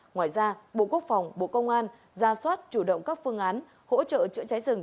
ngoài ra bộ quốc phòng bộ công an ra soát chủ động các phương án hỗ trợ chữa cháy rừng